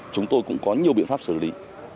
chúng tôi cũng có nhiều biện pháp xử lý